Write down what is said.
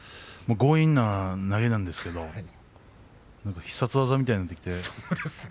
強引な投げなんですけれどなんか必殺技みたいになっていて。